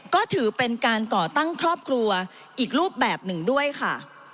ก็ถือเป็นการก่อตั้งครอบครัวอีกรูปแบบหนึ่งด้วยค่ะ